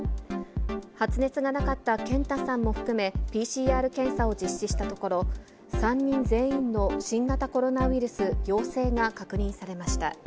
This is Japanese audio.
発熱がなかったＫＥＮＴＡさんも含め、ＰＣＲ検査を実施したところ、３人全員の新型コロナウイルス陽性が確認されました。